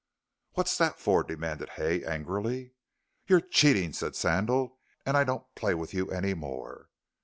"What's that for?" demanded Hay, angrily. "You're cheating," said Sandal, "and I don't play with you any more."